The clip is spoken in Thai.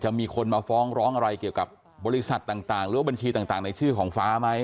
มีคนมาฟ้องร้องอะไรเกี่ยวกับบริษัทต่างหรือว่าบัญชีต่างในชื่อของฟ้าไหม